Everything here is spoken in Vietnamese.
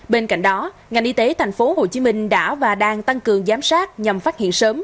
bên cạnh đó ngành y tế tp hcm đã và đang tăng cường giám sát nhằm phát hiện sớm